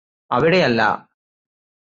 അവിടെയല്ലാ